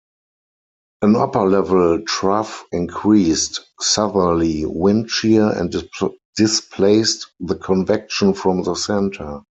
An upper-level trough increased southerly wind shear and displaced the convection from the center.